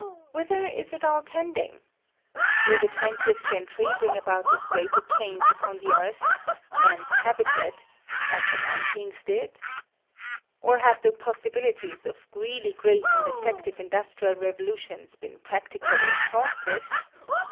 Whither is it all tending? Will the twentieth century bring about as great a change upon the earth man's habitat as the nineteenth did? Or have the possibilities of really great and effective industrial revolutions been practically exhausted?